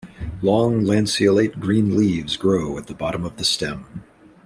Long lanceolate green leaves grow at the bottom of the stem.